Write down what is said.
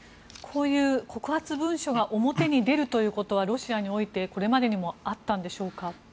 こういう告発文書が表に出るということはロシアにおいて、これまでにもあったんでしょうか？